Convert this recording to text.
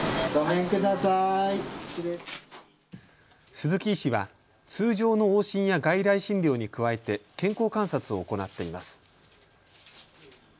鈴木医師は通常の往診や外来診療に加えて健康観察を行っています。